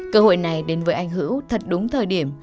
cơ hội này đến với anh hữu thật đúng thời điểm